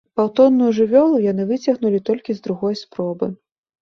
Паўтонную жывёлу яны выцягнулі толькі з другой спробы.